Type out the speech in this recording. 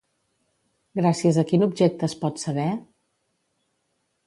Gràcies a quin objecte es pot saber?